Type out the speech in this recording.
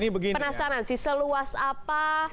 penasaran sih seluas apa